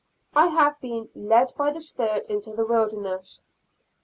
I have been "led by the spirit into the wilderness."